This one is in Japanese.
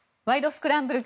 スクランブル」